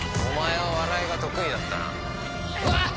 お前は笑いが得意だったな。